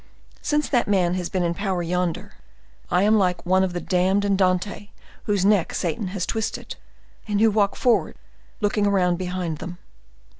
Since that man has been in power yonder, I am like one of the damned in Dante whose neck Satan has twisted, and who walk forward looking around behind them.